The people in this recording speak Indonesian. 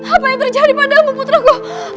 apa yang terjadi padamu putraku